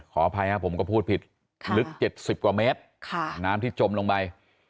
ขออภัยครับผมก็พูดผิดลึก๗๐กว่าเมตรน้ำที่จมลงไป